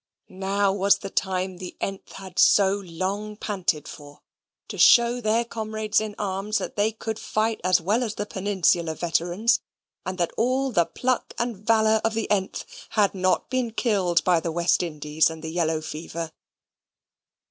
Now was the time the th had so long panted for, to show their comrades in arms that they could fight as well as the Peninsular veterans, and that all the pluck and valour of the th had not been killed by the West Indies and the yellow fever.